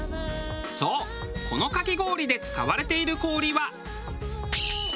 そうこのかき氷で使われている氷は。